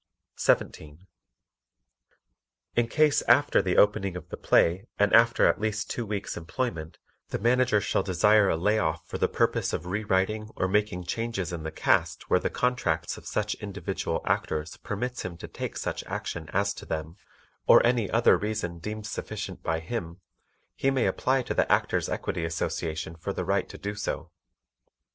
17. In case after the opening of the play and after at least two weeks' employment, the Manager shall desire a lay off for the purpose of re writing or making changes in the cast where the contracts of such individual actors permits him to take such action as to them or any other reason deemed sufficient by him, he may apply to the Actors' Equity Association for the right to do so.